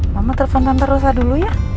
mama telepon tante rosa dulu ya